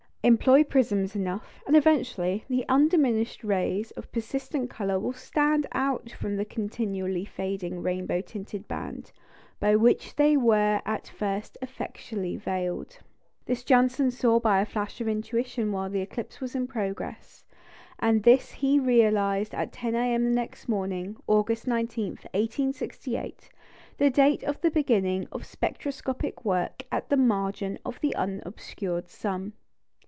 Employ prisms enough, and eventually the undiminished rays of persistent colour will stand out from the continually fading rainbow tinted band, by which they were at first effectually veiled. This Janssen saw by a flash of intuition while the eclipse was in progress; and this he realised at 10 A.M. next morning, August 19, 1868 the date of the beginning of spectroscopic work at the margin of the unobscured sun.